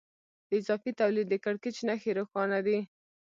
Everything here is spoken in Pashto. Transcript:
د اضافي تولید د کړکېچ نښې روښانه دي